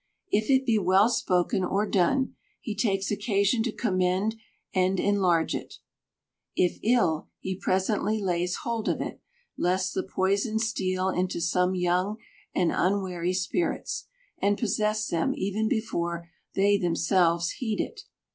If it be well spoken or done, he takes occa sion to commend and enlarge it; if ill, he presently lays hold of it, lest the poison steal into some young and unwary spirits, and possess them even before they themselves heed it.